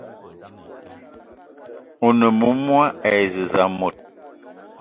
One moumoua e zez mot